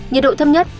nhiệt độ thâm nhất